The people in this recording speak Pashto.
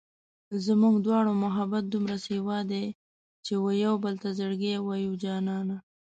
زموږ دواړو محبت دومره سېوا دی چې و يوبل ته زړګی وایو جانانه